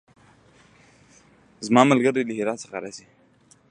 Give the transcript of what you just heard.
زما ملګری له هرات څخه راځی